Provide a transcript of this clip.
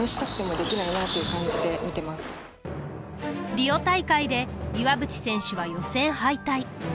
リオ大会で岩渕選手は予選敗退。